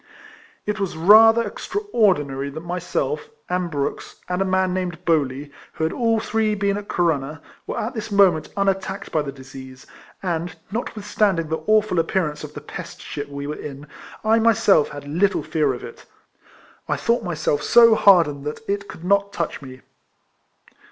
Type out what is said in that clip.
It was rather extraordinary that myself, and Brooks, and a man named Bowley, who had all three been at Corunna, were at this moment unattackcd by the disease, and, not withstanding the awful appearance of the pest ship we were in, I myself had little fear of it, I thought myself so hardened that it could not touch me.